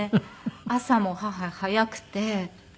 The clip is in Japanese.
朝も母早くて。